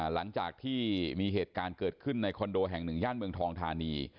หลังจากที่มีเหตุการณ์เกิดขึ้นในคอนโดแห่งหนึ่งย่านเมืองทองธานี